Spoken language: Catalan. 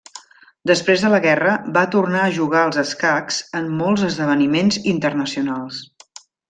Després de la guerra, va tornar a jugar als escacs en molts esdeveniments internacionals.